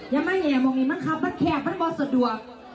ยังไม่อายมงค์หรือมันครับมันแขกมันบอสสะดวก